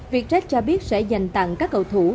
vietjet cho biết sẽ dành tặng các cầu thủ